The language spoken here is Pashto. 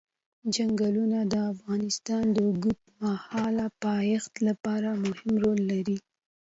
چنګلونه د افغانستان د اوږدمهاله پایښت لپاره مهم رول لري.